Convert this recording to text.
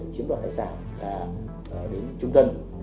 chiếm đoạt tài sản là đến trung tân